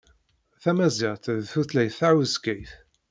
Tamaziɣt d tutlayt tahuskayt.